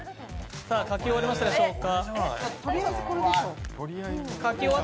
書き終わりましたでしょうか。